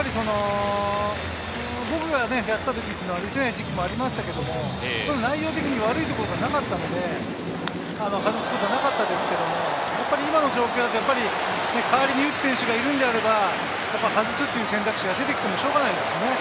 僕がやっていた時っていうのは打てない時期もあまりましたけれど、内容的に悪いところはなかったので、外すことはなかったですけれど、やっぱり今の状況だと、代わりに打つ選手がいるんであれば、外すという選択肢が出てきてもしょうがないですね。